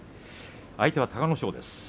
相手は隆の勝です。